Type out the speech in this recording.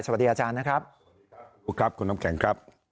สวัสดีอาจารย์นะครับบุ๊คครับคุณน้ำแข็งครับ